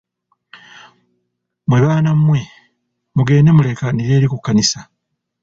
Mmwe baana mmwe, mugende muleekaanire eri ku kkanisa.